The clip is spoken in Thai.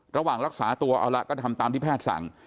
ระหว่างรักษาตัวเอาละก็ทำตามที่แพทย์สั่ง